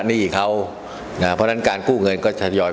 ที่ควรค่นเงินที่ด้วย